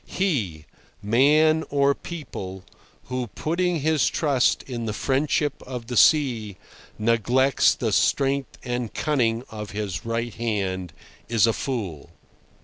He—man or people—who, putting his trust in the friendship of the sea, neglects the strength and cunning of his right hand, is a fool!